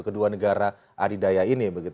kedua negara adidaya ini